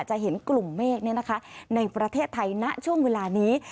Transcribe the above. จะเห็นกลุ่มเมฆในประเทศไทยณช่วงเวลานี้